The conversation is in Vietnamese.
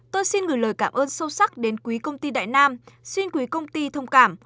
tôi xin gửi lời cảm ơn sâu sắc đến quý công ty đại nam xin quý công ty thông cảm